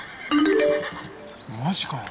マジかよ？